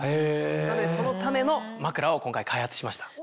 そのための枕を今回開発しました。